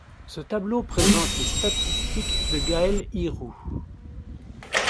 Ce tableau présente les statistiques de Gaël Hiroux.